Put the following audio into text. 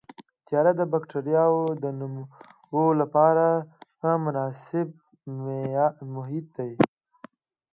تیاره د بکټریاوو د نمو لپاره مناسب محیط دی.